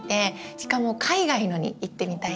しかも海外のに行ってみたいです。